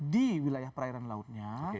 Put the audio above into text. di wilayah perairan lautnya